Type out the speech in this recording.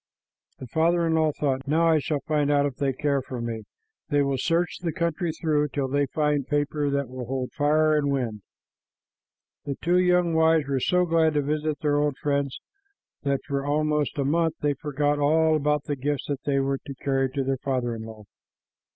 The father in law thought, "Now I shall find out. If they care for me, they will search the country through till they find paper that will hold fire and wind." The two young wives were so glad to visit their old friends that for almost a month they forgot all about the gifts that they were to carry to their father in law.